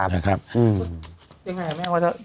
ยังไงแม่ว่าจะ